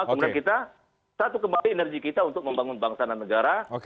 kemudian kita satu kembali energi kita untuk membangun bangsa dan negara